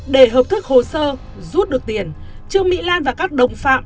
để hợp thức hồ sơ rút được tiền trương mỹ lan và các đồng phạm